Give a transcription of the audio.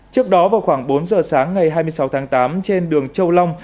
trước đó vào khoảng bốn giờ sáng ngày hai mươi sáu tháng tám trên đường châu long